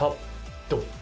ドン！